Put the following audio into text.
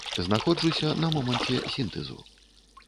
Знаходжуся на моманце сінтэзу.